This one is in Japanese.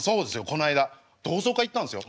この間同窓会行ったんですよ。